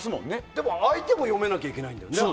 でも相手も読めなきゃいけないんだよね。